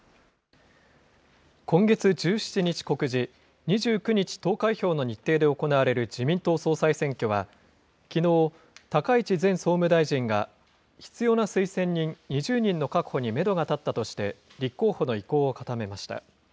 今月１７日告示、２９日投開票の日程で行われる自民党総裁選挙は、きのう、高市前総務大臣が、必要な推薦人２０人の確保にメドが立ったとして立候補の意向を固めました。